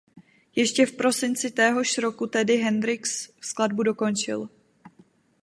Ještě v prosinci téhož roku tedy Hendrix skladbu dokončil.